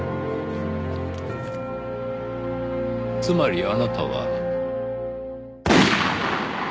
つまりあなたは。